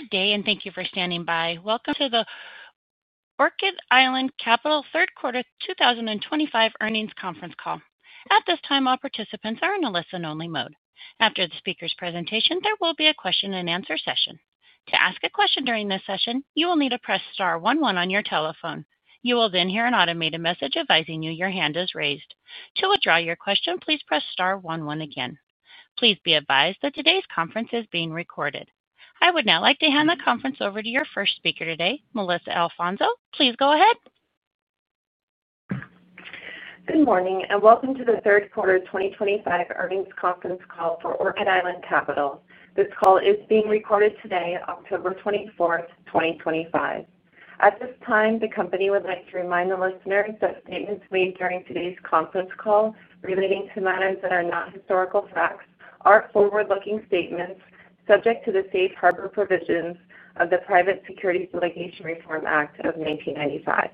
Good day, and thank you for standing by. Welcome to the Orchid Island Capital Third Quarter 2025 Earnings Conference Call. At this time, all participants are in a listen-only mode. After the speaker's presentation, there will be a question and answer session. To ask a question during this session, you will need to press star 11 on your telephone. You will then hear an automated message advising you your hand is raised. To withdraw your question, please press star 11 again. Please be advised that today's conference is being recorded. I would now like to hand the conference over to your first speaker today, Melissa Alfonso. Please go ahead. Good morning, and welcome to the Third Quarter 2025 Earnings Conference Call for Orchid Island Capital. This call is being recorded today, October 24th, 2025. At this time, the company would like to remind the listeners that statements made during today's conference call relating to matters that are not historical facts are forward-looking statements subject to the safe harbor provisions of the Private Securities Litigation Reform Act of 1995.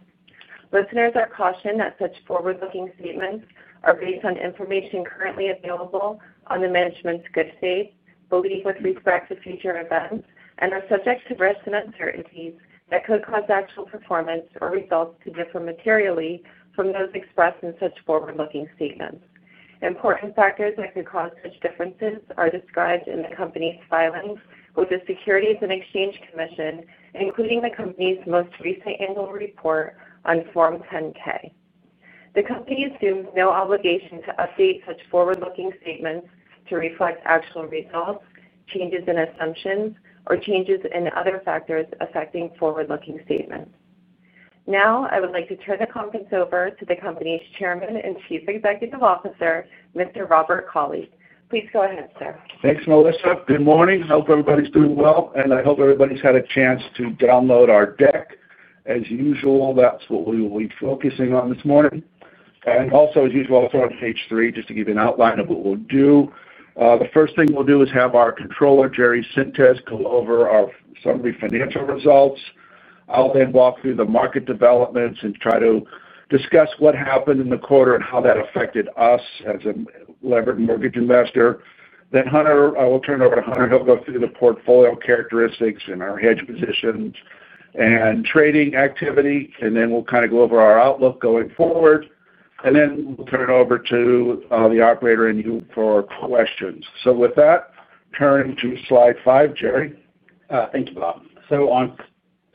Listeners are cautioned that such forward-looking statements are based on information currently available and management's good faith belief with respect to future events, and are subject to risks and uncertainties that could cause actual performance or results to differ materially from those expressed in such forward-looking statements. Important factors that could cause such differences are described in the company's filings with the Securities and Exchange Commission, including the company's most recent annual report on Form 10-K. The company assumes no obligation to update such forward-looking statements to reflect actual results, changes in assumptions, or changes in other factors affecting forward-looking statements. Now, I would like to turn the conference over to the company's Chairman and Chief Executive Officer, Mr. Robert Cauley. Please go ahead, sir. Thanks, Melissa. Good morning. I hope everybody's doing well, and I hope everybody's had a chance to download our deck. As usual, that's what we will be focusing on this morning. I'll throw on page three just to give you an outline of what we'll do. The first thing we'll do is have our Controller, Jerry Sintes, go over our summary financial results. I'll then walk through the market developments and try to discuss what happened in the quarter and how that affected us as a levered mortgage investor. I will turn it over to Hunter. He'll go through the portfolio characteristics and our hedge positions and trading activity, and then we'll kind of go over our outlook going forward. We'll turn it over to the operator and you for questions. With that, turn to slide five, Jerry. Thank you, Bob. On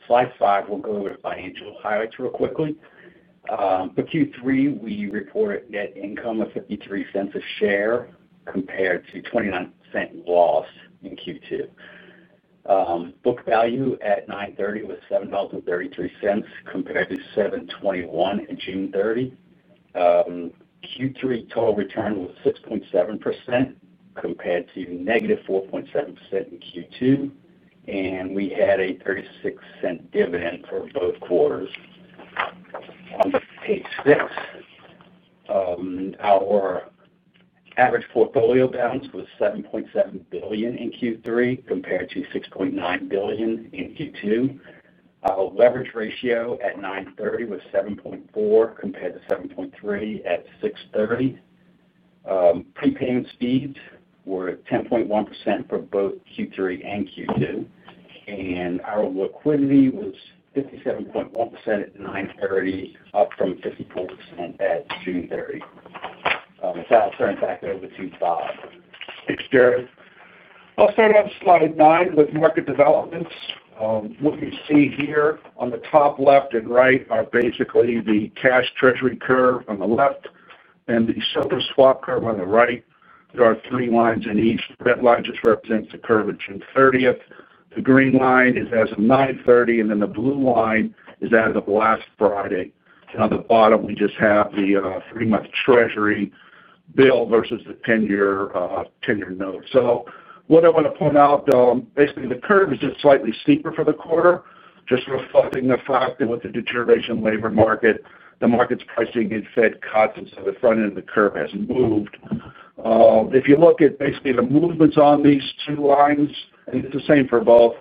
slide five, we'll go over the financial highlights real quickly. For Q3, we report net income of $0.53 a share compared to $0.29 lost in Q2. Book value at 9/30 was $7.33 compared to $7.21 on June 30. Q3 total return was 6.7% compared to -4.7% in Q2, and we had a $0.36 dividend for both quarters. On page six, our average portfolio balance was $7.7 billion in Q3 compared to $6.9 billion in Q2. Our leverage ratio at 9/30 was 7.4 compared to 7.3 at 6/30. Prepayment speeds were 10.1% for both Q3 and Q2, and our liquidity was 57.1% at 9/30, up from 54% at June 30. With that, I'll turn it back over to Bob. Thanks, Jerry. I'll start on slide nine with market developments. What you see here on the top left and right are basically the cash Treasury curve on the left and the SOFR swap curve on the right. There are three lines in each. The red line just represents the curve on June 30th. The green line is as of 9/30, and then the blue line is as of last Friday. On the bottom, we just have the three-month Treasury bill versus the 10-year note. What I want to point out, basically, the curve is just slightly steeper for the quarter, just reflecting the fact that with the deterioration of the labor market, the market's pricing in Fed cuts, and the front end of the curve has moved. If you look at basically the movements on these two lines, and it's the same for both,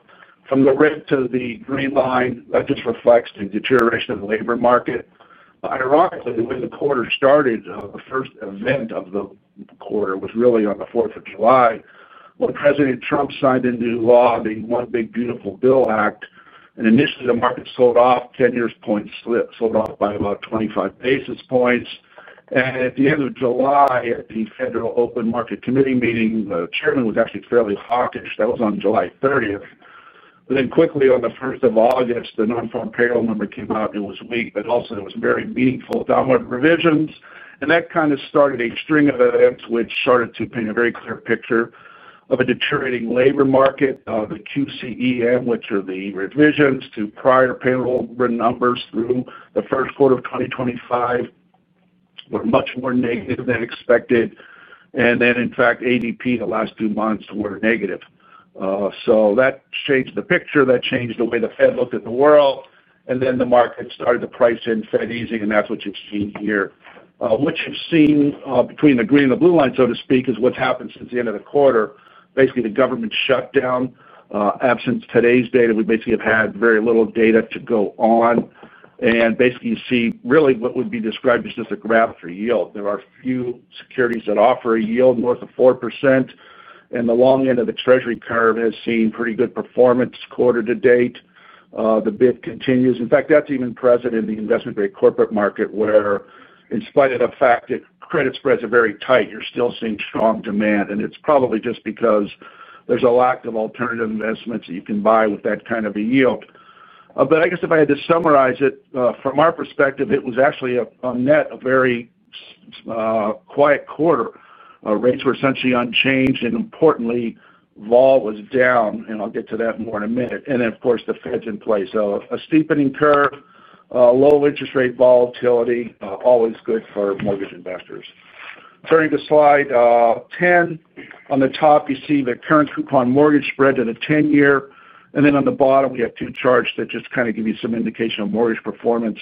from the red to the green line, that just reflects the deterioration of the labor market. Ironically, the way the quarter started, the first event of the quarter was really on the 4th of July when President Trump signed into law the One Big Beautiful Bill Act. Initially, the market sold off 10-year points. It sold off by about 25 basis points. At the end of July, at the Federal Open Market Committee meeting, the Chairman was actually fairly hawkish. That was on July 30th. Quickly, on the 1st of August, the non-farm payroll number came out and was weak, but also it was very meaningful downward revisions. That kind of started a string of events which started to paint a very clear picture of a deteriorating labor market. The QCEM, which are the revisions to prior payroll written numbers through the first quarter of 2025, were much more negative than expected. In fact, ADP the last two months were negative, so that changed the picture. That changed the way the Fed looked at the world. The market started to price in Fed easing, and that's what you've seen here. What you've seen, between the green and the blue line, so to speak, is what's happened since the end of the quarter. Basically, the government shut down. Absent today's data, we basically have had very little data to go on. You see really what would be described as just a graph for yield. There are a few securities that offer a yield north of 4%. The long end of the Treasury curve has seen pretty good performance quarter to date. The bid continues. In fact, that's even present in the investment-grade corporate market where, in spite of the fact that credit spreads are very tight, you're still seeing strong demand. It's probably just because there's a lack of alternative investments that you can buy with that kind of a yield. If I had to summarize it, from our perspective, it was actually a net, a very quiet quarter. Rates were essentially unchanged. Importantly, vol was down. I'll get to that more in a minute. Of course, the Fed's in place. A steepening curve, low interest rate volatility, always good for mortgage investors. Turning to slide 10, on the top, you see the current coupon mortgage spread to the 10-year. On the bottom, we have two charts that just kind of give you some indication of mortgage performance.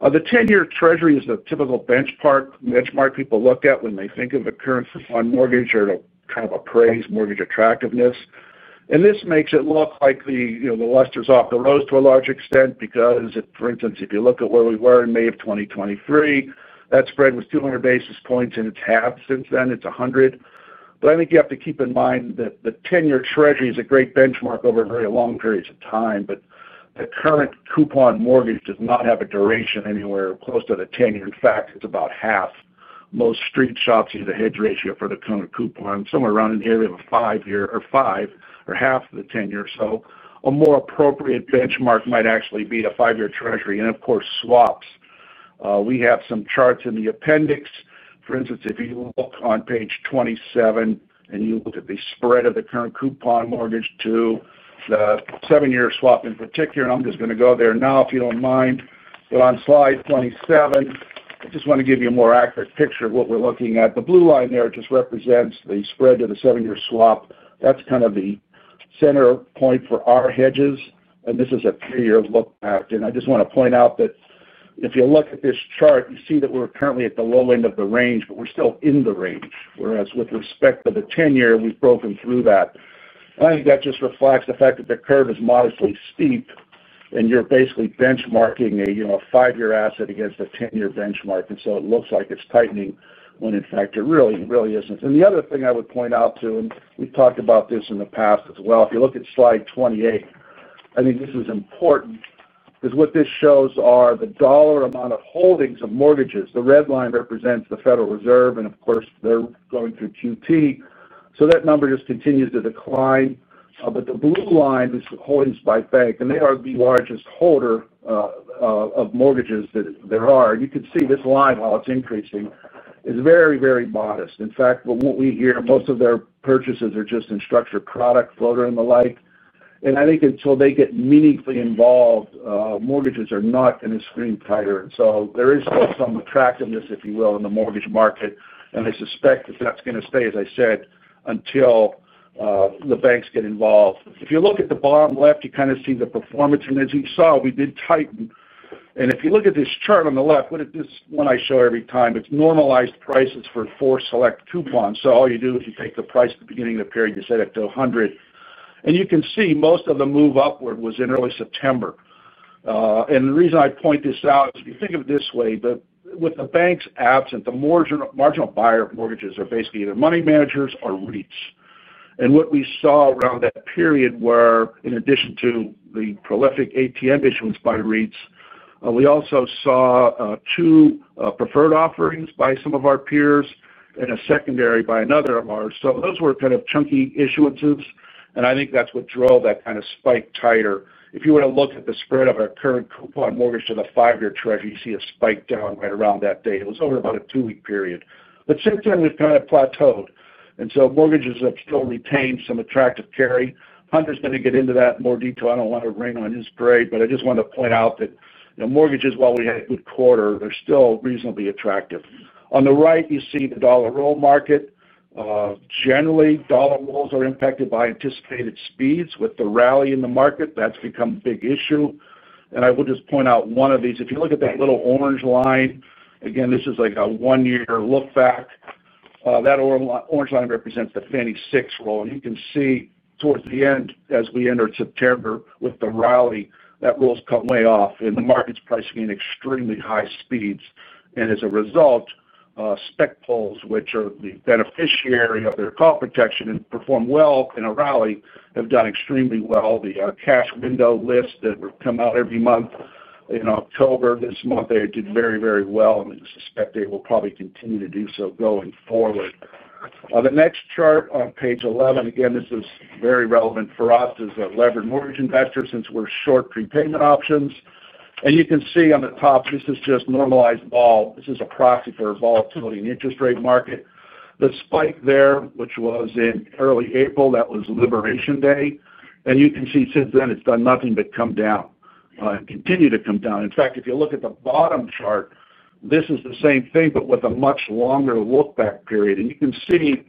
The 10-year Treasury is the typical benchmark people look at when they think of a current coupon mortgage or to kind of appraise mortgage attractiveness. This makes it look like the, you know, the luster's off the rose to a large extent because, for instance, if you look at where we were in May of 2023, that spread was 200 basis points, and it's halved since then. It's 100. I think you have to keep in mind that the 10-year Treasury is a great benchmark over very long periods of time, but the current coupon mortgage does not have a duration anywhere close to the 10-year. In fact, it's about half. Most street shops use a hedge ratio for the current coupon. Somewhere around in here, we have a five-year or five or half of the 10-year. A more appropriate benchmark might actually be the five-year Treasury. Of course, swaps. We have some charts in the appendix. For instance, if you look on page 27 and you look at the spread of the current coupon mortgage to the seven-year swap in particular, I'm just going to go there now if you don't mind. On slide 27, I just want to give you a more accurate picture of what we're looking at. The blue line there just represents the spread to the seven-year swap. That's kind of the center point for our hedges. This is a three-year look at it. I just want to point out that if you look at this chart, you see that we're currently at the low end of the range, but we're still in the range. With respect to the 10-year, we've broken through that. I think that just reflects the fact that the curve is modestly steep, and you're basically benchmarking a five-year asset against a 10-year benchmark. It looks like it's tightening when in fact it really, really isn't. The other thing I would point out too, and we've talked about this in the past as well, if you look at slide 28, I think this is important because what this shows are the dollar amount of holdings of mortgages. The red line represents the Federal Reserve, and of course, they're going through quantitative tightening. That number just continues to decline. The blue line is holdings by bank, and they are the largest holder of mortgages that there are. You can see this line, how it's increasing, is very, very modest. In fact, what we hear, most of their purchases are just in structured product, floater, and the like. I think until they get meaningfully involved, mortgages are not going to scream tighter. There is still some attractiveness, if you will, in the mortgage market. I suspect that that's going to stay, as I said, until the banks get involved. If you look at the bottom left, you kind of see the performance. As you saw, we did tighten. If you look at this chart on the left, what did this one I show every time? It's normalized prices for four select coupons. All you do is you take the price at the beginning of the period, you set it to 100. You can see most of them move upward was in early September. The reason I point this out is if you think of it this way, but with the banks absent, the marginal buyer of mortgages are basically either money managers or REITs. What we saw around that period, where in addition to the prolific ATM issuance by REITs, we also saw two preferred offerings by some of our peers and a secondary by another of ours. Those were kind of chunky issuances. I think that's what drove that kind of spike tighter. If you were to look at the spread of our current coupon mortgage to the five-year Treasury, you see a spike down right around that day. It was over about a two-week period. Since then, we've kind of plateaued. Mortgages have still retained some attractive carry. Hunter's going to get into that in more detail. I don't want to rain on his parade, but I just wanted to point out that, you know, mortgages, while we had a good quarter, they're still reasonably attractive. On the right, you see the dollar roll market. Generally, dollar rolls are impacted by anticipated speeds. With the rally in the market, that's become a big issue. I will just point out one of these. If you look at that little orange line, again, this is like a one-year look back. That orange line represents the Fannie 6 roll. You can see towards the end, as we enter September, with the rally, that roll's come way off, and the market's pricing in extremely high speeds. As a result, spec pools, which are the beneficiary of their call protection and perform well in a rally, have done extremely well. The cash window list that would come out every month in October this month, they did very, very well, and I suspect they will probably continue to do so going forward. The next chart on page 11, again, this is very relevant for us as a levered mortgage investor since we're short prepayment options. You can see on the top, this is just normalized vol. This is a proxy for volatility in the interest rate market. The spike there, which was in early April, that was Liberation Day. You can see since then, it's done nothing but come down and continue to come down. In fact, if you look at the bottom chart, this is the same thing, but with a much longer look-back period. You can see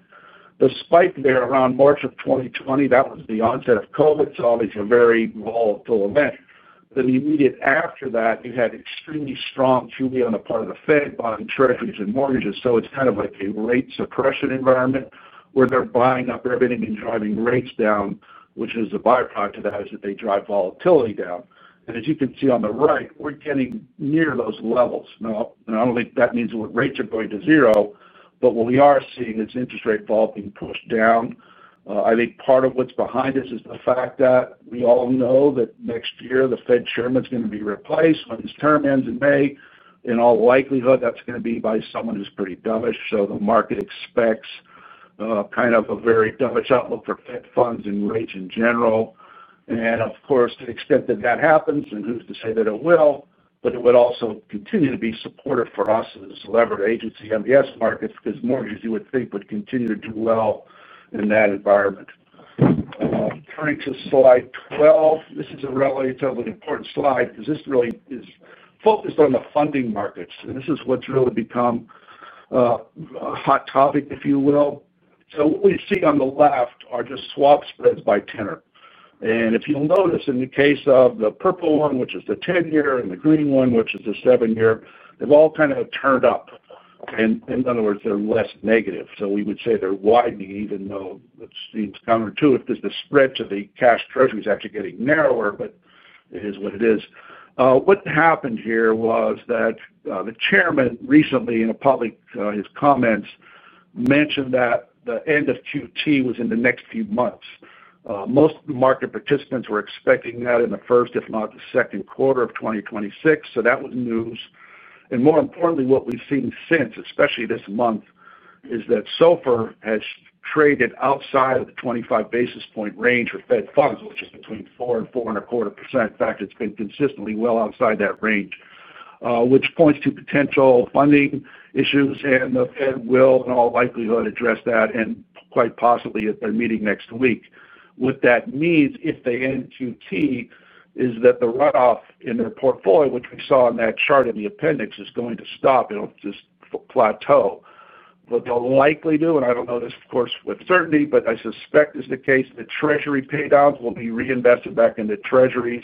the spike there around March of 2020. That was the onset of COVID. Obviously, a very volatile event. The immediate after that, you had extremely strong QE on the part of the Fed buying treasuries and mortgages. It's kind of like a rate suppression environment where they're buying up everything and driving rates down, which is the byproduct of that is that they drive volatility down. As you can see on the right, we're getting near those levels now. I don't think that means that rates are going to zero, but what we are seeing is interest rate vol being pushed down. I think part of what's behind this is the fact that we all know that next year, the Fed chairman is going to be replaced when his term ends in May. In all likelihood, that's going to be by someone who's pretty dovish. The market expects kind of a very dovish outlook for Fed funds and rates in general. Of course, to the extent that that happens, and who's to say that it will, it would also continue to be supportive for us as a celebrity agency MBS market because mortgages, you would think, would continue to do well in that environment. Turning to slide 12, this is a relatively important slide because this really is focused on the funding markets. This is what's really become a hot topic, if you will. What we see on the left are just swap spreads by tenor. If you'll notice, in the case of the purple one, which is the 10-year, and the green one, which is the seven-year, they've all kind of turned up. In other words, they're less negative. We would say they're widening, even though it seems counterintuitive because the spread to the cash Treasury is actually getting narrower, but it is what it is. What happened here was that the Chairman recently, in a public, his comments mentioned that the end of Q2 was in the next few months. Most of the market participants were expecting that in the first, if not the second quarter of 2026. That was news. More importantly, what we've seen since, especially this month, is that SOFR has traded outside of the 25 bps range for Fed funds, which is between 4% and 4.25%. In fact, it's been consistently well outside that range, which points to potential funding issues. The Fed will, in all likelihood, address that and quite possibly at their meeting next week. What that means if they end quantitative tightening is that the runoff in their portfolio, which we saw in that chart in the appendix, is going to stop. It'll just plateau. What they'll likely do, and I don't know this, of course, with certainty, but I suspect it's the case that Treasury paydowns will be reinvested back into Treasuries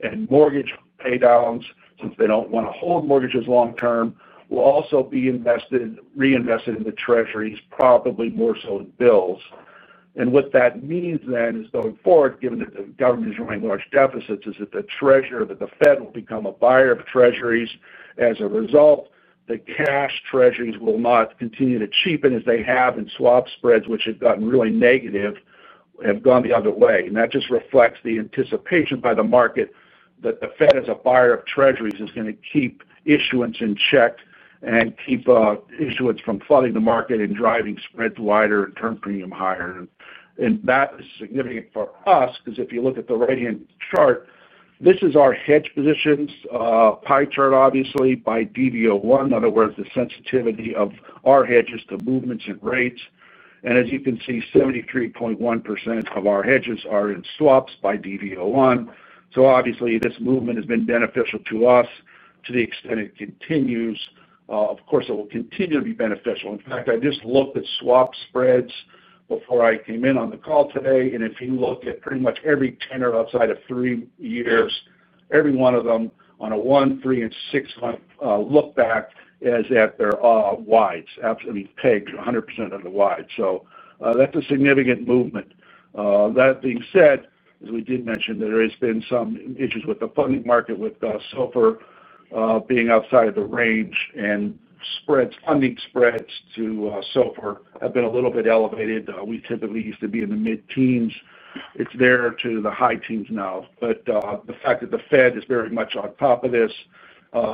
and mortgage paydowns, since they don't want to hold mortgages long term, will also be reinvested in the Treasuries, probably more so in bills. What that means then is going forward, given that the government is running large deficits, is that the Treasury, that the Fed will become a buyer of Treasuries. As a result, the cash Treasuries will not continue to cheapen as they have in swap spreads, which have gotten really negative, have gone the other way. That just reflects the anticipation by the market that the Fed, as a buyer of Treasuries, is going to keep issuance in check and keep issuance from flooding the market and driving spreads wider and term premium higher. That is significant for us because if you look at the right-hand chart, this is our hedge positions, pie chart, obviously, by DV01. In other words, the sensitivity of our hedges to movements in rates. As you can see, 73.1% of our hedges are in swaps by DV01. Obviously, this movement has been beneficial to us to the extent it continues. Of course, it will continue to be beneficial. In fact, I just looked at swap spreads before I came in on the call today. If you look at pretty much every tenor outside of three years, every one of them on a one, three, and six-month look-back is at their wides. Absolutely, I mean, pegged 100% of the wides. That's a significant movement. That being said, as we did mention, there have been some issues with the funding market with SOFR being outside of the range, and funding spreads to SOFR have been a little bit elevated. We typically used to be in the mid-teens. It's there to the high teens now. The fact that the Fed is very much on top of this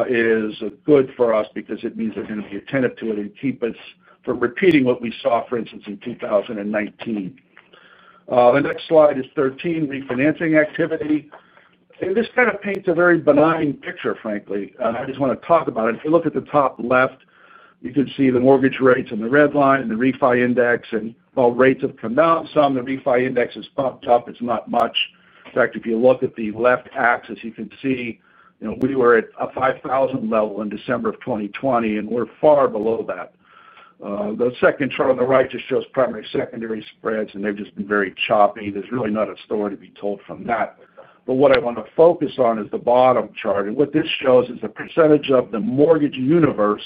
is good for us because it means they're going to be attentive to it and keep us from repeating what we saw, for instance, in 2019. The next slide is 13 refinancing activity. This kind of paints a very benign picture, frankly. I just want to talk about it. If you look at the top left, you can see the mortgage rates and the red line and the refi index, and while rates have come down some, the refi index has bumped up. It's not much. If you look at the left axis, you can see, you know, we were at a 5,000 level in December of 2020, and we're far below that. The second chart on the right just shows primary and secondary spreads, and they've just been very choppy. There's really not a story to be told from that. What I want to focus on is the bottom chart. What this shows is the percentage of the mortgage universe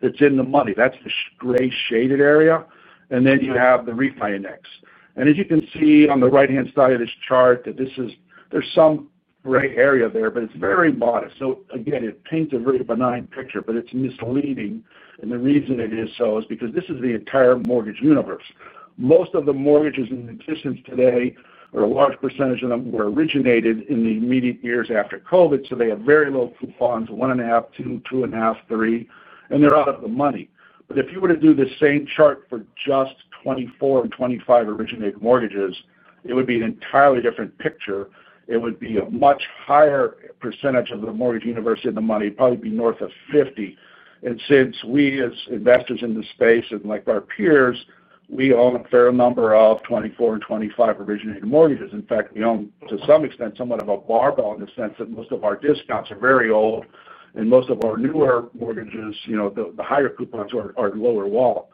that's in the money. That's the gray shaded area. Then you have the refi index. As you can see on the right-hand side of this chart, there's some gray area there, but it's very modest. Again, it paints a very benign picture, but it's misleading. The reason it is so is because this is the entire mortgage universe. Most of the mortgages in existence today, or a large percentage of them, were originated in the immediate years after COVID. They have very low coupons, 1.5, 2, 2.5, 3, and they're out of the money. If you were to do the same chart for just 2024 and 2025 originated mortgages, it would be an entirely different picture. It would be a much higher percentage of the mortgage universe in the money. It'd probably be north of 50%. Since we as investors in this space, like our peers, we own a fair number of 2024 and 2025 originated mortgages. In fact, we own, to some extent, somewhat of a barbell in the sense that most of our discounts are very old, and most of our newer mortgages, the higher coupons, are lower wall.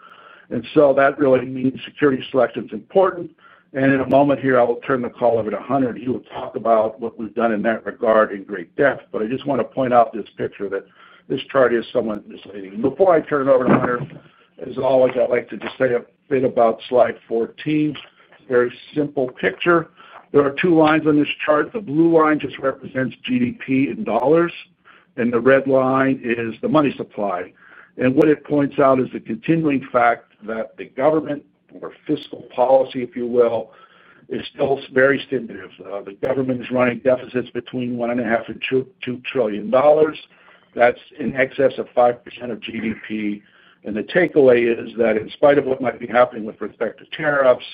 That really means security selection is important. In a moment here, I will turn the call over to Hunter. He will talk about what we've done in that regard in great depth. I just want to point out this picture, that this chart is somewhat misleading. Before I turn it over to Hunter, as always, I'd like to just say a bit about slide 14. A very simple picture. There are two lines on this chart. The blue line just represents GDP in dollars, and the red line is the money supply. What it points out is the continuing fact that the government, or fiscal policy if you will, is still very stimulative. The government is running deficits between $1.5 trillion and $2 trillion. That's in excess of 5% of GDP. The takeaway is that in spite of what might be happening with respect to tariffs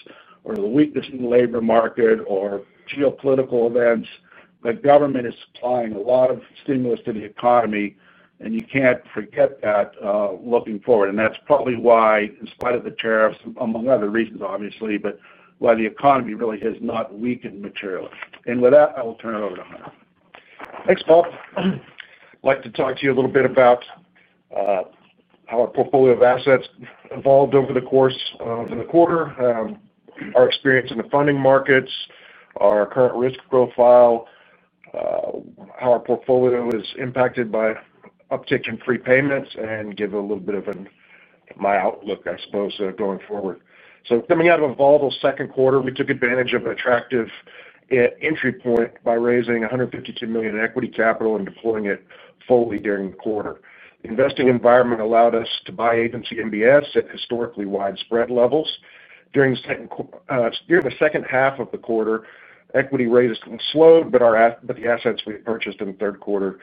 or the weakness in the labor market or geopolitical events, the government is supplying a lot of stimulus to the economy, and you can't forget that looking forward. That's probably why, in spite of the tariffs, among other reasons obviously, the economy really has not weakened materially. With that, I will turn it over to Hunter. Thanks, Bob. I'd like to talk to you a little bit about how our portfolio of assets evolved over the course of the quarter, our experience in the funding markets, our current risk profile, how our portfolio is impacted by uptick in prepayments, and give a little bit of my outlook, I suppose, going forward. Coming out of a volatile second quarter, we took advantage of an attractive entry point by raising $152 million in equity capital and deploying it fully during the quarter. The investing environment allowed us to buy agency MBS at historically wide spread levels. During the second half of the quarter, equity raises slowed, but the assets we purchased in the third quarter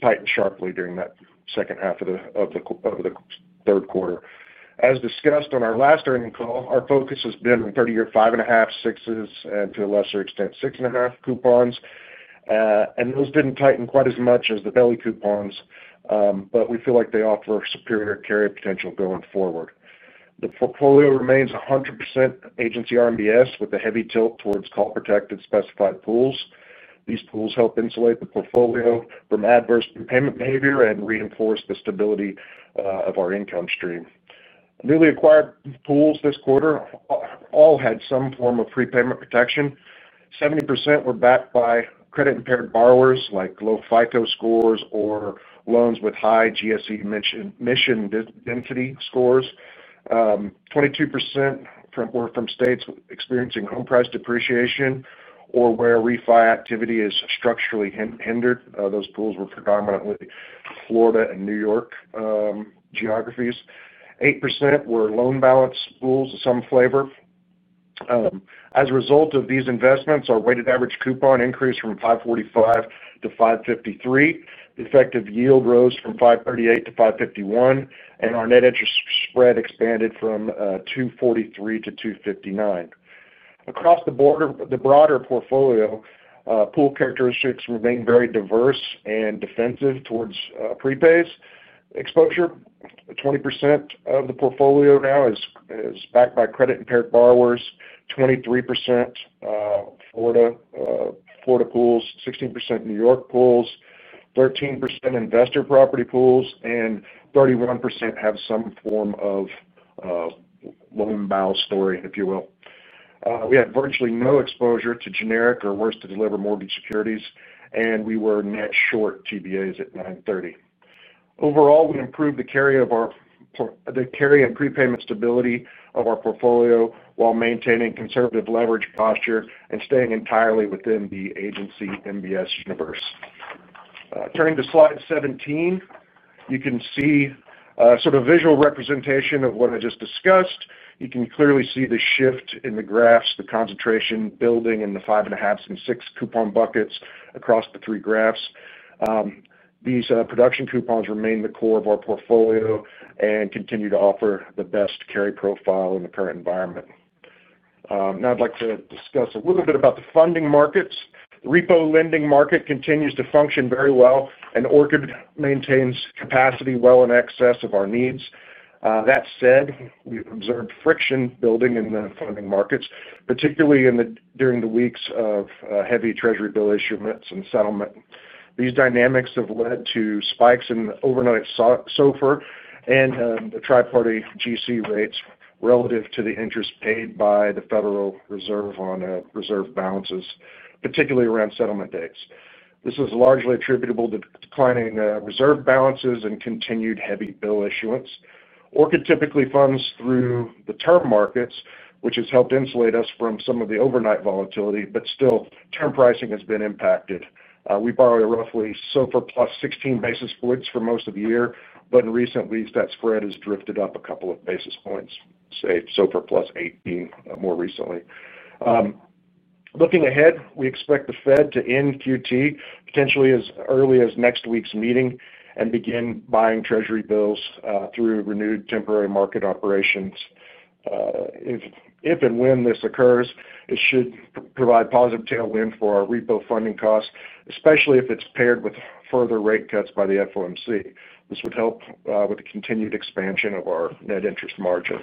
tightened sharply during that second half of the third quarter. As discussed on our last earnings call, our focus has been on 30-year 5.5, 6s, and to a lesser extent, 6.5 coupons. Those didn't tighten quite as much as the belly coupons, but we feel like they offer superior carry potential going forward. The portfolio remains 100% agency RMBS with a heavy tilt towards call-protected specified pools. These pools help insulate the portfolio from adverse payment behavior and reinforce the stability of our income stream. Newly acquired pools this quarter all had some form of prepayment protection. 70% were backed by credit-impaired borrowers like low FICO scores or loans with high GSE mission density scores. 22% were from states experiencing home price depreciation or where refi activity is structurally hindered. Those pools were predominantly Florida and New York geographies. 8% were loan balance pools of some flavor. As a result of these investments, our weighted average coupon increased from 5.45 to 5.53. The effective yield rose from 5.38 to 5.51, and our net interest spread expanded from 2.43 to 2.59. Across the broader portfolio, pool characteristics remain very diverse and defensive towards prepays. Exposure, 20% of the portfolio now is backed by credit-impaired borrowers, 23 Florida pools, 16 New York pools, 13% investor property pools, and 31% have some form of loan balance story, if you will. We had virtually no exposure to generic or worse-to-deliver mortgage securities, and we were net short TBAs at 9:30. Overall, we improved the carry and prepayment stability of our portfolio while maintaining a conservative leverage posture and staying entirely within the agency MBS universe. Turning to slide 17, you can see a sort of visual representation of what I just discussed. You can clearly see the shift in the graphs, the concentration building in the 5.5 and 6 coupon buckets across the three graphs. These production coupons remain the core of our portfolio and continue to offer the best carry profile in the current environment. Now I'd like to discuss a little bit about the funding markets. The repo lending market continues to function very well, and Orchid maintains capacity well in excess of our needs. That said, we've observed friction building in the funding markets, particularly during the weeks of heavy Treasury bill issuance and settlement. These dynamics have led to spikes in overnight SOFR and the triparty GC rates relative to the interest paid by the Federal Reserve on reserve balances, particularly around settlement dates. This is largely attributable to declining reserve balances and continued heavy bill issuance. Orchid typically funds through the term markets, which has helped insulate us from some of the overnight volatility, but still, term pricing has been impacted. We borrowed roughly SOFR +16 basis points for most of the year, but in recent weeks, that spread has drifted up a couple of basis points, say SOFR +18 more recently. Looking ahead, we expect the Fed to end QT potentially as early as next week's meeting and begin buying Treasury bills through renewed temporary market operations. If and when this occurs, it should provide a positive tailwind for our repo funding costs, especially if it's paired with further rate cuts by the FOMC. This would help with the continued expansion of our net interest margin.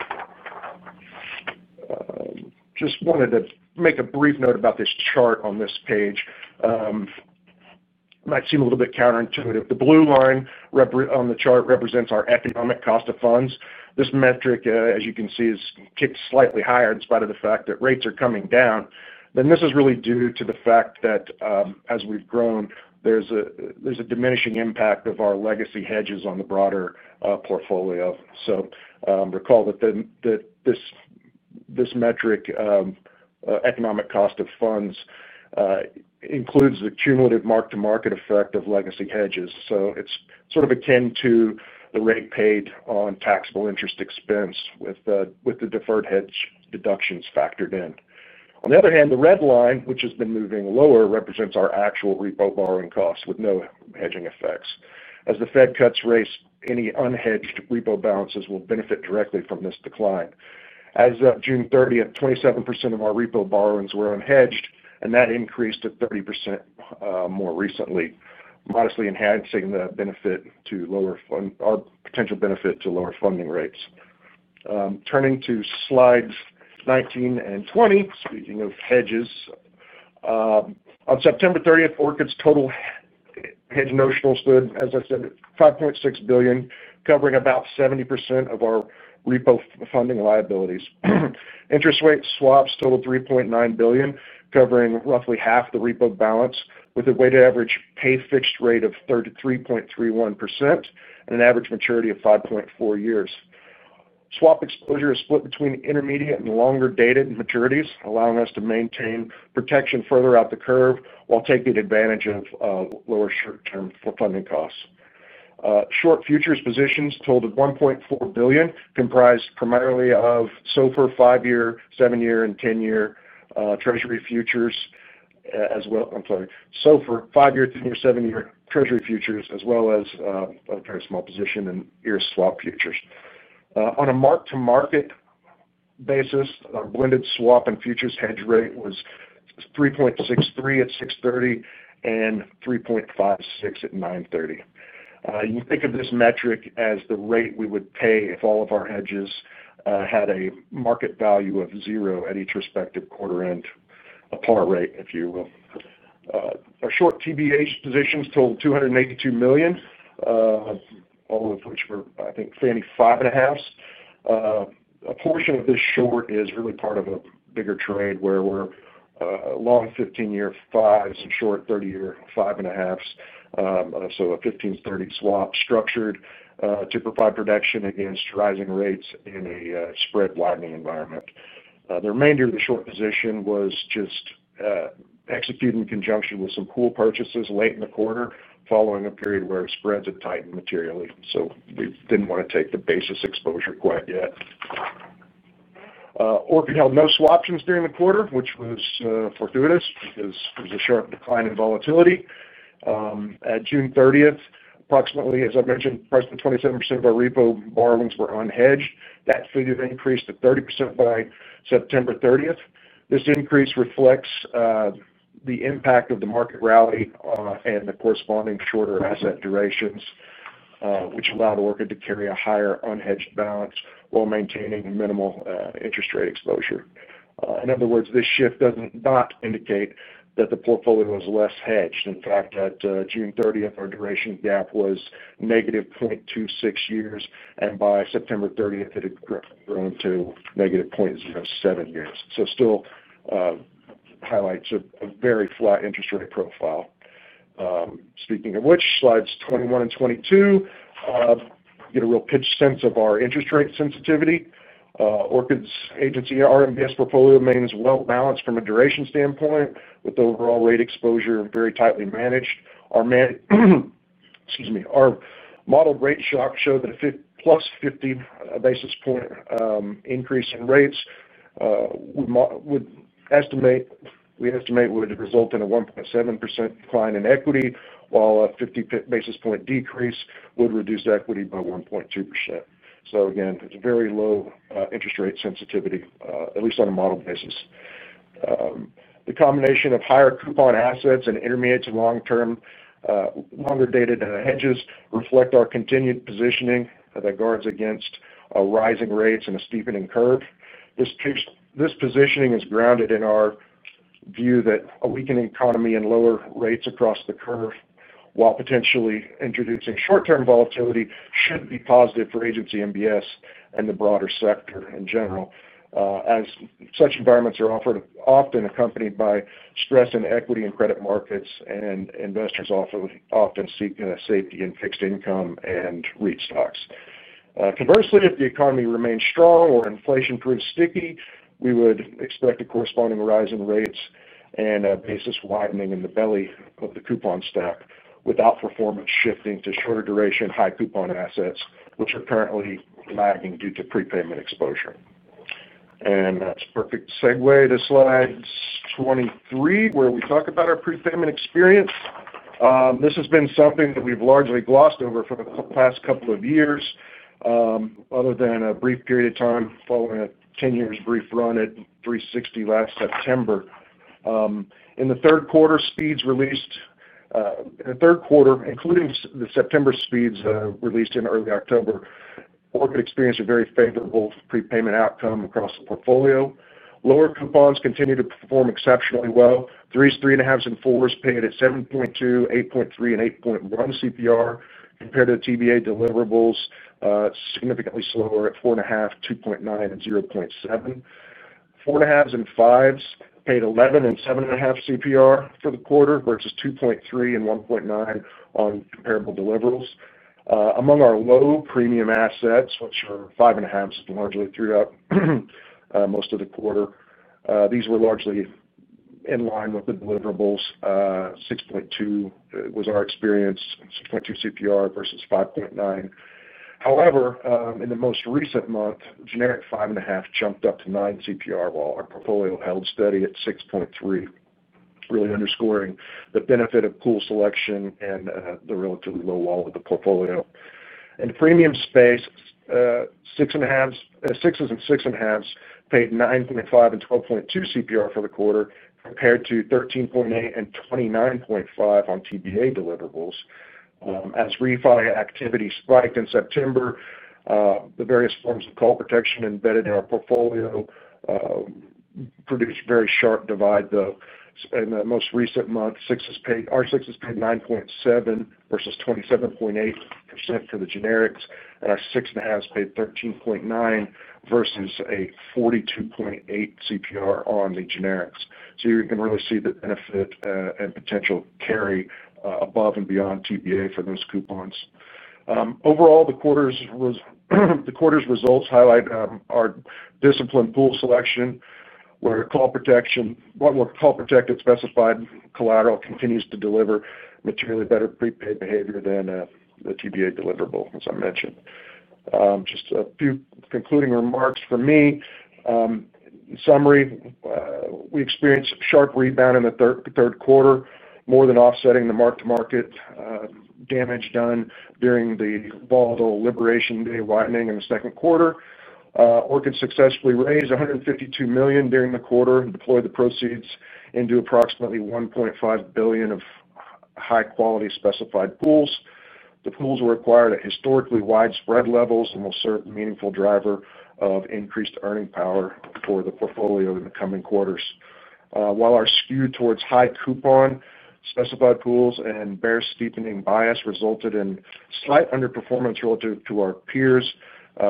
Just wanted to make a brief note about this chart on this page. It might seem a little bit counterintuitive. The blue line on the chart represents our economic cost of funds. This metric, as you can see, has ticked slightly higher in spite of the fact that rates are coming down. This is really due to the fact that, as we've grown, there's a diminishing impact of our legacy hedges on the broader portfolio. So, recall that this metric, economic cost of funds, includes the cumulative mark-to-market effect of legacy hedges. It is sort of akin to the rate paid on taxable interest expense with the deferred hedge deductions factored in. On the other hand, the red line, which has been moving lower, represents our actual repo borrowing costs with no hedging effects. As the Fed cuts rates, any unhedged repo balances will benefit directly from this decline. As of June 30th, 27% of our repo borrowings were unhedged, and that increased to 30% more recently, modestly enhancing the benefit to lower our potential benefit to lower funding rates. Turning to slides 19 and 20, speaking of hedges, on September 30th, Orchid's total hedge notional stood, as I said, at $5.6 billion, covering about 70% of our repo funding liabilities. Interest rate swaps totaled $3.9 billion, covering roughly half the repo balance, with a weighted average pay fixed rate of 3.31% and an average maturity of 5.4 years. Swap exposure is split between intermediate and longer-dated maturities, allowing us to maintain protection further out the curve while taking advantage of lower short-term funding costs. Short futures positions totaled $1.4 billion, comprised primarily of SOFR five-year, seven-year, and 10-year Treasury futures, as well as a very small position in EUR swap futures. On a mark-to-market basis, our blended swap and futures hedge rate was 3.63% at 6/30 and 3.56% at 9/30. You can think of this metric as the rate we would pay if all of our hedges had a market value of zero at each respective quarter-end, a par rate, if you will. Our short TBA positions totaled $282 million, all of which were, I think, Fannie 5.5s. A portion of this short is really part of a bigger trade where we are long 15-year 5 and short 30-year 5.5s, so a 15/30 swap structured to provide protection against rising rates in a spread-widening environment. The remainder of the short position was just executed in conjunction with some pool purchases late in the quarter, following a period where spreads had tightened materially. We did not want to take the basis exposure quite yet. Orchid held no swaptions during the quarter, which was fortuitous because there was a sharp decline in volatility. At June 30th, as I mentioned, approximately 27% of our repo borrowings were unhedged. That figure increased to 30% by September 30th. This increase reflects the impact of the market rally and the corresponding shorter asset durations, which allowed Orchid to carry a higher unhedged balance while maintaining minimal interest rate exposure. In other words, this shift does not indicate that the portfolio is less hedged. In fact, at June 30th, our duration gap was -0.26 years, and by September 30th, it had grown to -0.07 years. This still highlights a very flat interest rate profile. Speaking of which, slides 21 and 22, you get a real pitch sense of our interest rate sensitivity. Orchid's agency RMBS portfolio remains well balanced from a duration standpoint, with the overall rate exposure very tightly managed. Our modeled rate shock showed that a +50 basis point increase in rates would estimate would result in a 1.7% decline in equity, while a 50 basis point decrease would reduce equity by 1.2%. It's a very low interest rate sensitivity, at least on a model basis. The combination of higher coupon assets and intermediate to long-term, longer-dated hedges reflect our continued positioning that guards against rising rates and a steepening curve. This positioning is grounded in our view that a weakening economy and lower rates across the curve, while potentially introducing short-term volatility, should be positive for agency MBS and the broader sector in general, as such environments are often accompanied by stress in equity and credit markets, and investors often seek safety in fixed income and REIT stocks. Conversely, if the economy remains strong or inflation proves sticky, we would expect a corresponding rise in rates and a basis widening in the belly of the coupon stack, with outperformance shifting to shorter duration, high coupon assets, which are currently lagging due to prepayment exposure. That's a perfect segue to slide 23, where we talk about our prepayment experience. This has been something that we've largely glossed over for the past couple of years, other than a brief period of time following a 10-year brief run at 360 last September. In the third quarter, including the September speeds released in early October, Orchid experienced a very favorable prepayment outcome across the portfolio. Lower coupons continue to perform exceptionally well. 3s, 3.5s, and 4s paid at 7.2, 8.3, and 8.1 CPR compared to TBA deliverables, significantly slower at 4.5, 2.9, and 0.7. 4.5 and 5s paid 11 and 7.5 CPR for the quarter versus 2.3 and 1.9 on comparable deliverables. Among our low premium assets, which are 5.5 largely throughout most of the quarter, these were largely in line with the deliverables. 6.2 was our experience, and 6.2 CPR versus 5.9. However, in the most recent month, generic 5.5 jumped up to 9 CPR while our portfolio held steady at 6.3, really underscoring the benefit of pool selection and the relatively low wall of the portfolio. In the premium space, 6s and 6.5s paid 9.5 and 12.2 CPR for the quarter compared to 13.8 and 29.5 on TBA deliverables. As refi activity spiked in September, the various forms of call protection embedded in our portfolio produced a very sharp divide, though. In the most recent month, our sixes paid 9.7 versus 27.8% for the generics, and our 6.5s paid 13.9 versus a 42.8 CPR on the generics. You can really see the benefit and potential carry above and beyond TBA for those coupons. Overall, the quarter's results highlight our disciplined pool selection, where call protection, one more call-protected specified collateral, continues to deliver materially better prepaid behavior than the TBA deliverable, as I mentioned. Just a few concluding remarks for me. In summary, we experienced a sharp rebound in the third quarter, more than offsetting the mark-to-market damage done during the volatile Liberation Day widening in the second quarter. Orchid successfully raised $152 million during the quarter and deployed the proceeds into approximately $1.5 billion of high-quality specified pools. The pools were acquired at historically widespread levels and will serve as a meaningful driver of increased earning power for the portfolio in the coming quarters. While our skew towards high coupon specified pools and bear steepening bias resulted in slight underperformance relative to our peers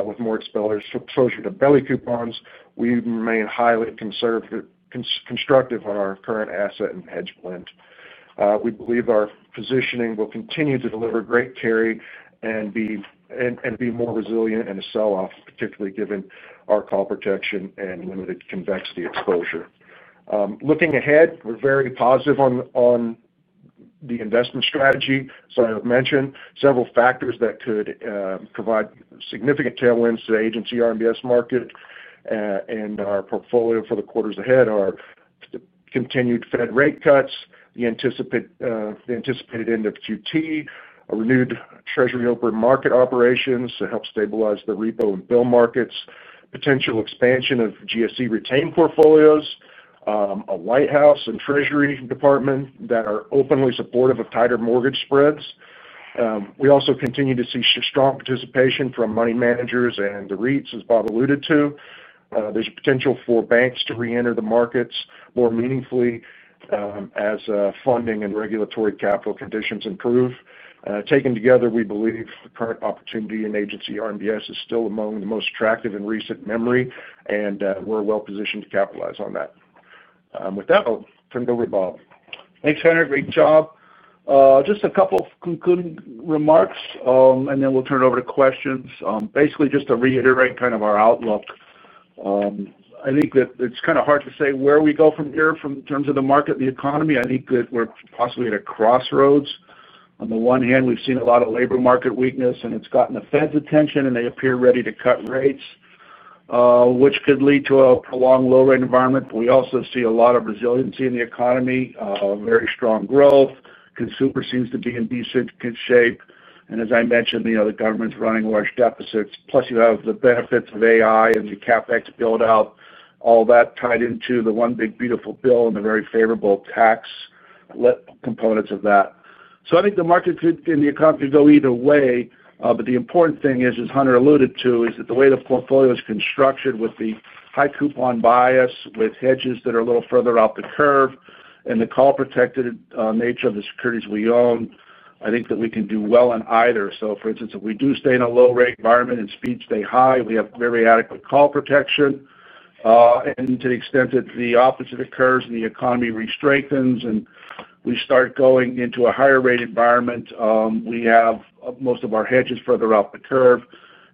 with more exposure to belly coupons, we remain highly constructive on our current asset and hedge blend. We believe our positioning will continue to deliver great carry and be more resilient in a sell-off, particularly given our call protection and limited convexity exposure. Looking ahead, we're very positive on the investment strategy. I mentioned several factors that could provide significant tailwinds to the agency RMBS market, and our portfolio for the quarters ahead are the continued Fed rate cuts, the anticipated end of quantitative tightening, a renewed Treasury market operations to help stabilize the repo and bill markets, potential expansion of GSE retained portfolios, a White House and Treasury Department that are openly supportive of tighter mortgage spreads. We also continue to see strong participation from money managers and the REITs, as Bob alluded to. There's potential for banks to reenter the markets more meaningfully, as funding and regulatory capital conditions improve. Taken together, we believe the current opportunity in agency RMBS is still among the most attractive in recent memory, and we're well-positioned to capitalize on that. With that, I'll turn it over to Bob. Thanks, Henry. Great job. Just a couple of concluding remarks, and then we'll turn it over to questions. Basically, just to reiterate kind of our outlook. I think that it's kind of hard to say where we go from here in terms of the market and the economy. I think that we're possibly at a crossroads. On the one hand, we've seen a lot of labor market weakness, and it's gotten the Fed's attention, and they appear ready to cut rates, which could lead to a prolonged low-rate environment. We also see a lot of resiliency in the economy, very strong growth. Consumer seems to be in decent shape. As I mentioned, the government's running large deficits. Plus, you have the benefits of AI and the CapEx buildout, all that tied into the one big beautiful bill and the very favorable tax components of that. I think the market could, and the economy could go either way. The important thing is, as Hunter alluded to, that the way the portfolio is constructed with the high coupon bias, with hedges that are a little further out the curve, and the call-protected nature of the securities we own, I think that we can do well in either. For instance, if we do stay in a low-rate environment and speeds stay high, we have very adequate call protection. To the extent that the opposite occurs and the economy restrengthens and we start going into a higher-rate environment, we have most of our hedges further out the curve,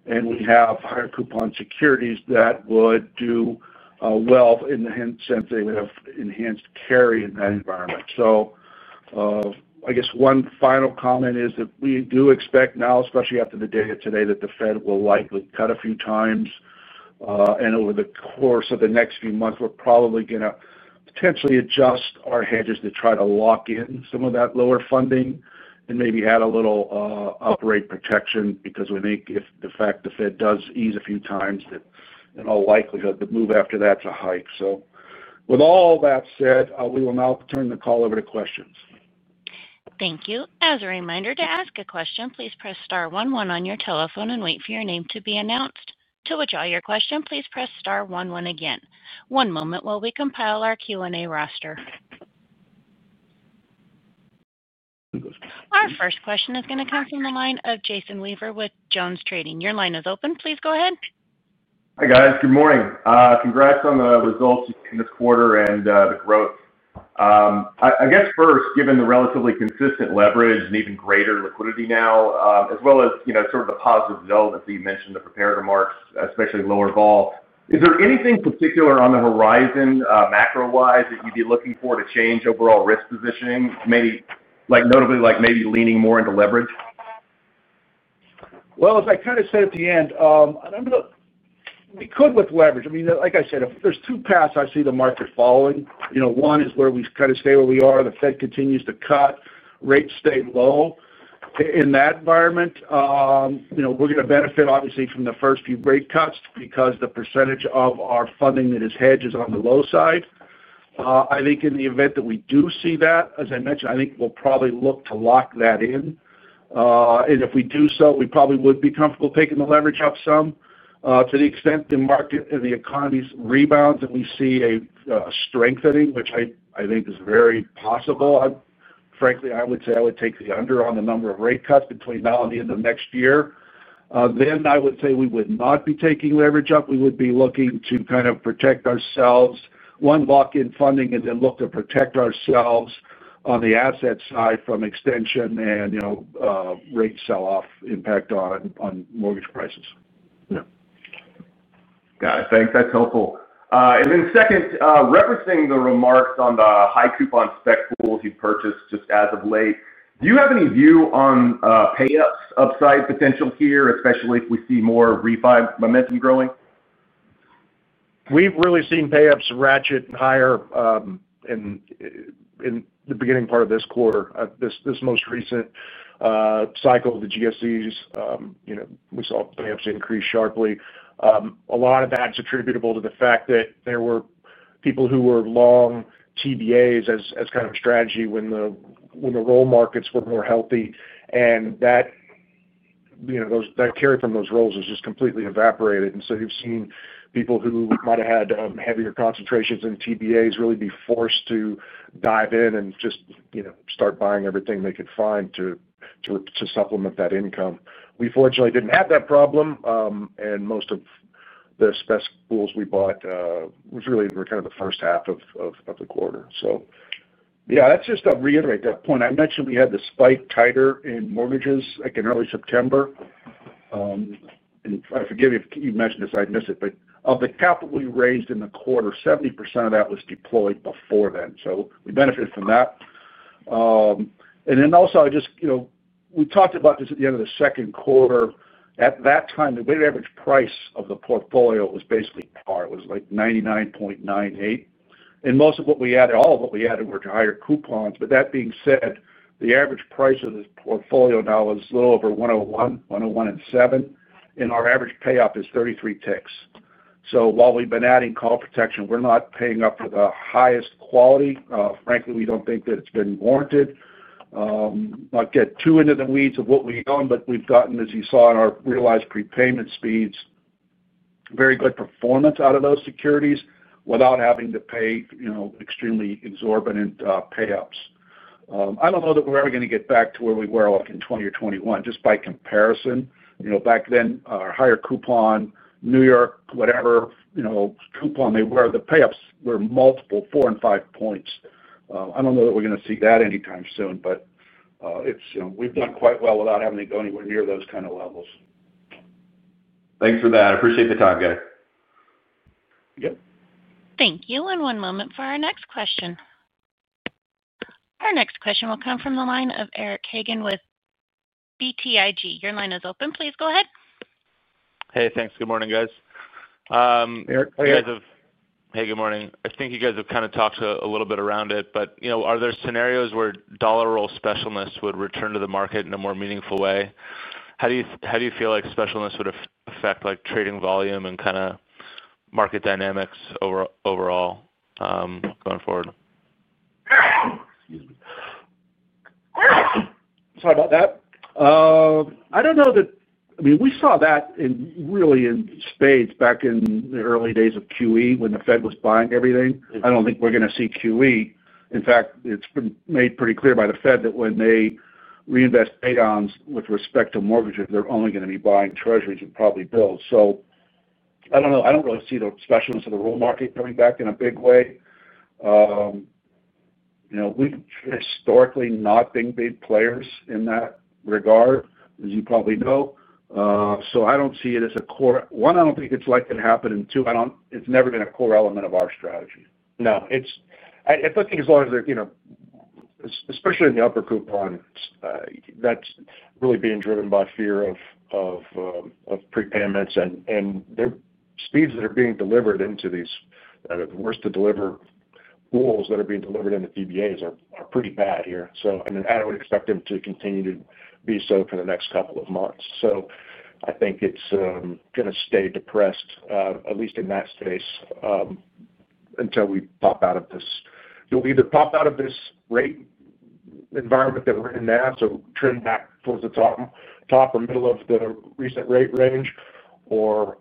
and we have higher coupon securities that would do well in the sense they would have enhanced carry in that environment. I guess one final comment is that we do expect now, especially after the data today, that the Fed will likely cut a few times. Over the course of the next few months, we're probably going to potentially adjust our hedges to try to lock in some of that lower funding and maybe add a little up-rate protection because we think if the fact the Fed does ease a few times, that in all likelihood, the move after that is a hike. With all that said, we will now turn the call over to questions. Thank you. As a reminder, to ask a question, please press star one one on your telephone and wait for your name to be announced. To withdraw your question, please press star one one again. One moment while we compile our Q&A roster. Our first question is going to come from the line of Jason Weaver with JonesTrading. Your line is open. Please go ahead. Hi, guys. Good morning. Congrats on the results in this quarter and the growth. I guess first, given the relatively consistent leverage and even greater liquidity now, as well as, you know, sort of the positive developments that you mentioned, the prepared remarks, especially lower vol, is there anything particular on the horizon, macro-wise, that you'd be looking for to change overall risk positioning, maybe like notably, like maybe leaning more into leverage? As I kind of said at the end, we could with leverage. Like I said, if there's two paths I see the market following, one is where we kind of stay where we are. The Fed continues to cut. Rates stay low. In that environment, we're going to benefit, obviously, from the first few rate cuts because the percentage of our funding that is hedged is on the low side. I think in the event that we do see that, as I mentioned, I think we'll probably look to lock that in. If we do so, we probably would be comfortable taking the leverage up some, to the extent the market and the economy rebounds and we see a strengthening, which I think is very possible. Frankly, I would say I would take the under on the number of rate cuts between now and the end of next year. I would say we would not be taking leverage up. We would be looking to kind of protect ourselves, one, lock in funding and then look to protect ourselves on the asset side from extension and rate sell-off impact on mortgage prices. Yeah, I think that's helpful. Then, referencing the remarks on the high coupon spec pools you've purchased just as of late, do you have any view on payouts upside potential here, especially if we see more refi momentum growing? We've really seen payouts ratchet higher in the beginning part of this quarter, this most recent cycle of the GSEs. We saw payouts increase sharply. A lot of that is attributable to the fact that there were people who were long TBAs as kind of a strategy when the roll markets were more healthy. That carry from those rolls has just completely evaporated. You've seen people who might have had heavier concentrations in TBAs really be forced to dive in and start buying everything they could find to supplement that income. We fortunately didn't have that problem, and most of the spec pools we bought were really in the first half of the quarter. That's just to reiterate that point. I mentioned we had the spike tighter in mortgages in early September. I forgive you if you mentioned this, I missed it. Of the capital we raised in the quarter, 70% of that was deployed before then. We benefited from that. Also, we talked about this at the end of the second quarter. At that time, the weighted average price of the portfolio was basically par. It was like $99.98. Most of what we added, all of what we added, were to higher coupons. That being said, the average price of this portfolio now is a little over $101, $101.7. Our average payoff is 33 ticks. While we've been adding call protection, we're not paying up for the highest quality. Frankly, we don't think that it's been warranted. Not to get too into the weeds of what we own, but we've gotten, as you saw in our realized prepayment speeds, very good performance out of those securities without having to pay extremely exorbitant payouts. I don't know that we're ever going to get back to where we were in 2020 or 2021 just by comparison. Back then, our higher coupon, New York, whatever coupon they were, the payouts were multiple four and five points. I don't know that we're going to see that anytime soon, but we've done quite well without having to go anywhere near those kind of levels. Thanks for that. I appreciate the time, guys. Yep. Thank you. One moment for our next question. Our next question will come from the line of Eric Hagen with BTIG. Your line is open. Please go ahead. Hey, thanks. Good morning, guys. Eric, how are you? Hey, good morning. I think you guys have kind of talked a little bit around it, but you know, are there scenarios where dollar roll specialness would return to the market in a more meaningful way? How do you feel like specialness would affect trading volume and kind of market dynamics overall, going forward? Excuse me. Sorry about that. I don't know that, I mean, we saw that really in spades back in the early days of QE when the Fed was buying everything. I don't think we're going to see QE. In fact, it's been made pretty clear by the Fed that when they reinvest paydowns with respect to mortgages, they're only going to be buying treasuries and probably bills. I don't know. I don't really see the specialness of the roll market coming back in a big way. We've historically not been big players in that regard, as you probably know. I don't see it as a core, one, I don't think it's likely to happen. Two, it's never been a core element of our strategy. No, I think as long as they're, you know, especially in the upper coupons, that's really being driven by fear of prepayments and their speeds that are being delivered into these, the worst to deliver pools that are being delivered in the TBAs are pretty bad here. I would expect them to continue to be so for the next couple of months. I think it's going to stay depressed, at least in that space, until we pop out of this. It'll either pop out of this rate environment that we're in now, trend back towards the top or middle of the recent rate range, or,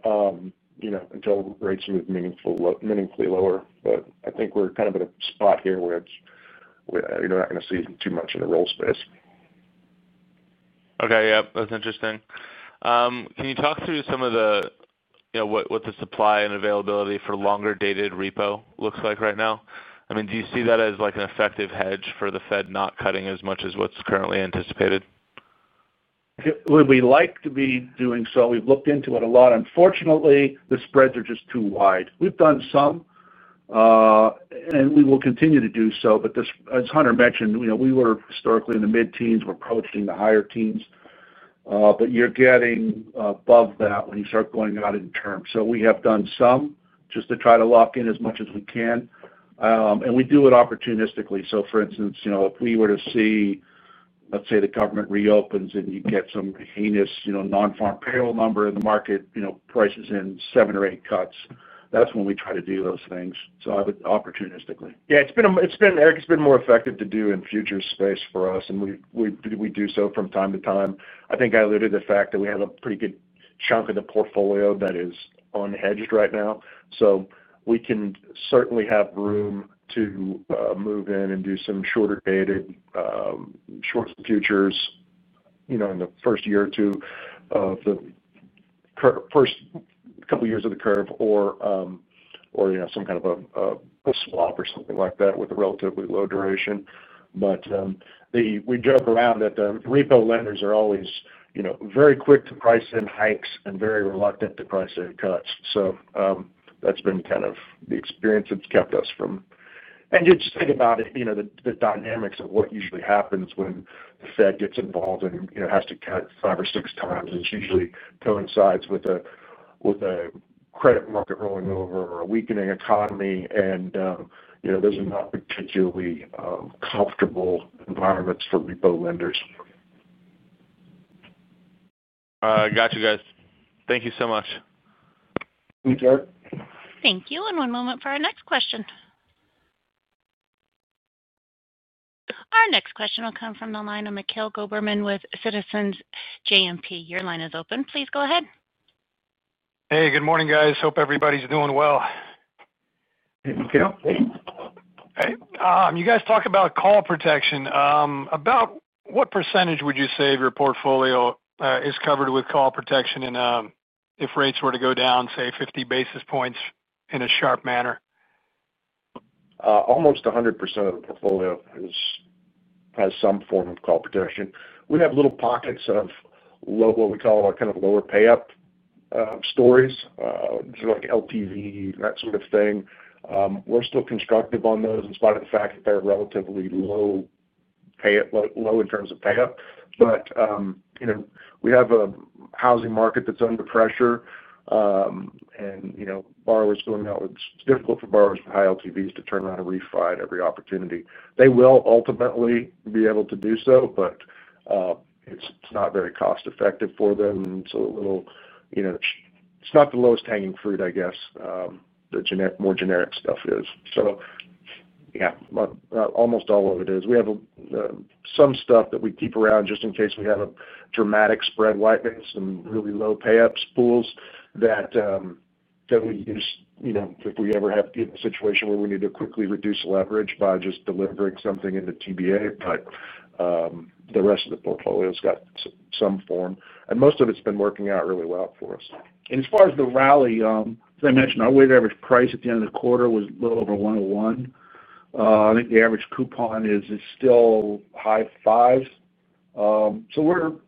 you know, until rates move meaningfully lower. I think we're kind of at a spot here where it's not going to see too much in the roll space. Okay. Yeah, that's interesting. Can you talk through some of the, you know, what the supply and availability for longer-dated repo looks like right now? I mean, do you see that as like an effective hedge for the Fed not cutting as much as what's currently anticipated? We'd like to be doing so. We've looked into it a lot. Unfortunately, the spreads are just too wide. We've done some, and we will continue to do so. As Hunter mentioned, you know, we were historically in the mid-teens. We're approaching the higher teens, but you're getting above that when you start going out in term. We have done some just to try to lock in as much as we can, and we do it opportunistically. For instance, you know, if we were to see, let's say the government reopens and you get some heinous, you know, non-farm payroll number in the market, you know, prices in seven or eight cuts, that's when we try to do those things. I would opportunistically. Yeah, it's been, it's been, Eric, it's been more effective to do in future space for us. We do so from time to time. I think I alluded to the fact that we have a pretty good chunk of the portfolio that is unhedged right now. We can certainly have room to move in and do some shorter dated, short futures, you know, in the first year or two of the first couple of years of the curve, or, you know, some kind of a swap or something like that with a relatively low duration. We joke around that the repo lenders are always, you know, very quick to price in hikes and very reluctant to price in cuts. That's been kind of the experience that's kept us from, and you just think about it, you know, the dynamics of what usually happens when the Fed gets involved and, you know, has to cut five or six times. It usually coincides with a credit market rolling over or a weakening economy. You know, those are not particularly comfortable environments for repo lenders. Got you, guys. Thank you so much. Thanks, Eric. Thank you. One moment for our next question. Our next question will come from the line of Mikhail Goberman with Citizens JMP. Your line is open. Please go ahead. Hey, good morning, guys. Hope everybody's doing well. Hey, Mikhail. Hey, you guys talked about call protection. About what percentage would you say of your portfolio is covered with call protection if rates were to go down, say, 50 basis points in a sharp manner? Almost 100% of the portfolio has some form of call protection. We have little pockets of low, what we call a kind of lower payout, stories. This is like LTV, that sort of thing. We're still constructive on those in spite of the fact that they're relatively low in terms of payout. We have a housing market that's under pressure, and borrowers going out, it's difficult for borrowers with high LTVs to turn around a refi at every opportunity. They will ultimately be able to do so, but it's not very cost-effective for them. It's not the lowest hanging fruit, I guess. The more generic stuff is. Almost all of it is. We have some stuff that we keep around just in case we have a dramatic spread wideness and really low payout pools that we use if we ever have to get in a situation where we need to quickly reduce leverage by just delivering something in the TBA. The rest of the portfolio has got some form, and most of it's been working out really well for us. As far as the rally, as I mentioned, our weighted average price at the end of the quarter was a little over $101. I think the average coupon is still high fives, so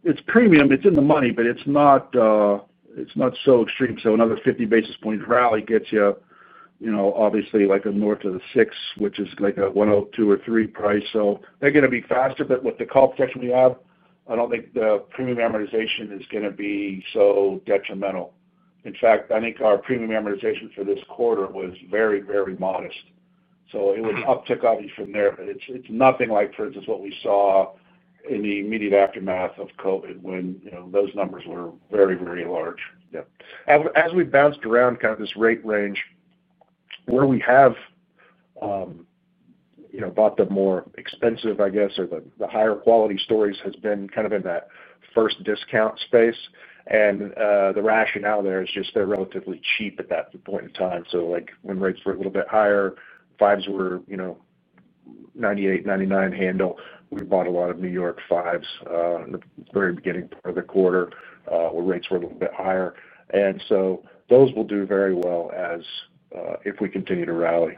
it's premium. It's in the money, but it's not so extreme. Another 50 basis points rally gets you obviously like a north of the six, which is like a $102 or $103 price. They're going to be faster, but with the call protection we have, I don't think the premium amortization is going to be so detrimental. In fact, I think our premium amortization for this quarter was very, very modest. It was an uptick, obviously, from there, but it's nothing like, for instance, what we saw in the immediate aftermath of COVID when those numbers were very, very large. Yeah. As we bounced around kind of this rate range, where we have, you know, bought the more expensive, I guess, or the higher quality stories, has been kind of in that first discount space. The rationale there is just they're relatively cheap at that point in time. Like when rates were a little bit higher, 5s were, you know, $98, $99 handle. We bought a lot of New York 5s in the very beginning part of the quarter where rates were a little bit higher. Those will do very well if we continue to rally.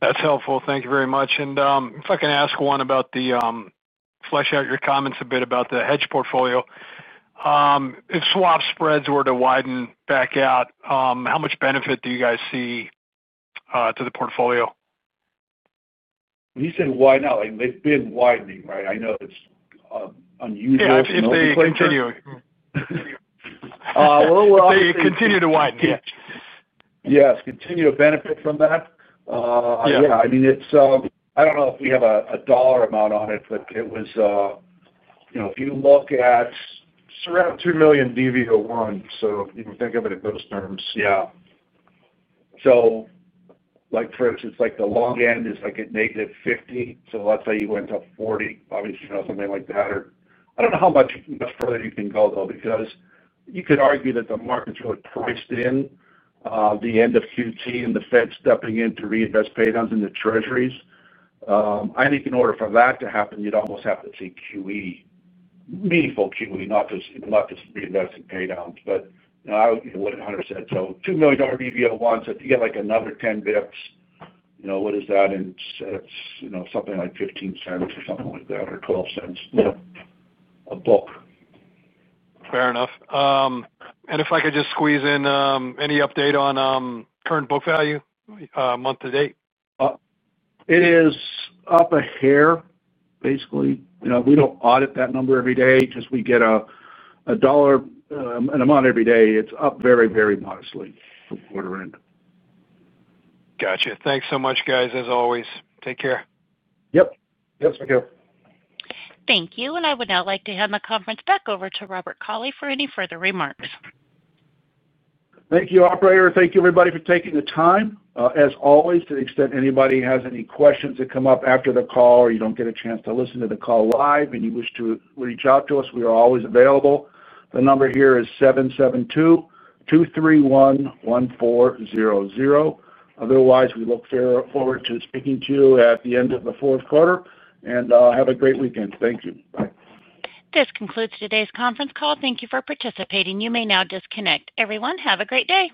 That's helpful. Thank you very much. If I can ask one about the, flesh out your comments a bit about the hedge portfolio. If swap spreads were to widen back out, how much benefit do you guys see to the portfolio? You said why not? They've been widening, right? I know it's unusual to know the inflation. They continue to widen here. Yes, continue to benefit from that. I mean, it's, I don't know if we have a dollar amount on it, but it was, you know, if you look at, it's around $2 million DV01. You can think of it in those terms. For instance, the long end is at -50. Let's say you went to 40, obviously, you know, something like that. I don't know how much further you can go, though, because you could argue that the market's really priced in the end of quantitative tightening and the Fed stepping in to reinvest paydowns in the treasuries. I think in order for that to happen, you'd almost have to see quantitative easing, meaningful quantitative easing, not just reinvesting paydowns. I wouldn't say 100%. $2 million DV01, so if you get another 10 bps, what is that in dollars? Something like $0.15 or something like that or $0.12 a book. Fair enough. If I could just squeeze in, any update on current book value, month to date? It is up a hair, basically. We don't audit that number every day because we get a dollar amount every day. It's up very, very modestly for quarter-end. Gotcha. Thanks so much, guys, as always. Take care. Yep. Yep. Thank you. Thank you. I would now like to hand the conference back over to Robert Cauley for any further remarks. Thank you, operator. Thank you, everybody, for taking the time. As always, to the extent anybody has any questions that come up after the call or you don't get a chance to listen to the call live and you wish to reach out to us, we are always available. The number here is 772-231-1400. Otherwise, we look forward to speaking to you at the end of the fourth quarter. Have a great weekend. Thank you. Bye. This concludes today's conference call. Thank you for participating. You may now disconnect. Everyone, have a great day.